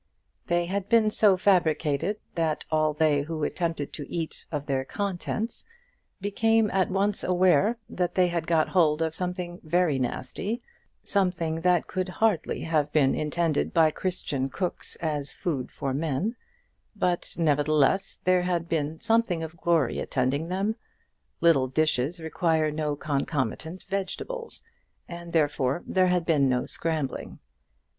They had been so fabricated, that all they who attempted to eat of their contents became at once aware that they had got hold of something very nasty, something that could hardly have been intended by Christian cooks as food for men; but, nevertheless, there had been something of glory attending them. Little dishes require no concomitant vegetables, and therefore there had been no scrambling.